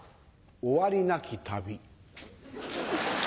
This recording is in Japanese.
終わりなき旅。